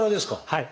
はい。